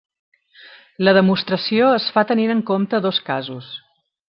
La demostració es fa tenint en compte dos casos.